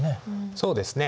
そうですね。